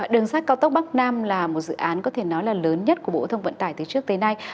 đường sắt cao tốc bắc nam là một dự án có thể nói là lớn nhất của bộ thông vận tải từ trước tới nay